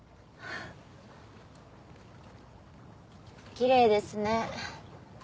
きれいですね。